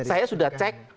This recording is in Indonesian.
saya sudah cek